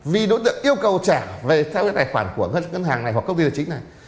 vì đối tượng yêu cầu trả về theo cái tài khoản của ngân hàng này hoặc công ty tài chính này